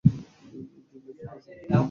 যদি একটা পোষা প্রাণী অন্ধ হয়ে যায়?